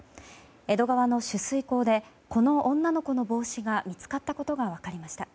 江戸川の取水口でこの女の子の帽子が見つかったことが分かりました。